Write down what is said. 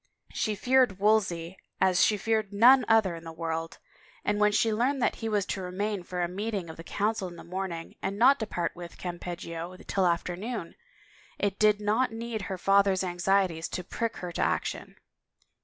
She feared Wolsey as she feared none other in the world, 199 THE FAVOR OF KINGS and when she learned that he was to remain for a meet ing of the Council in the morning and not depart with Campeggio till afternoon, it did not need her father's anxieties to prick her to action.